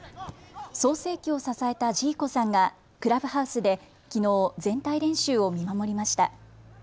創生期を支えたジーコさんがクラブハウスできのう全体練習を見守りました。